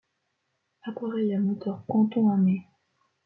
Appareil à moteur Canton-Unné.